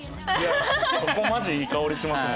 ここマジいい香りしますよね。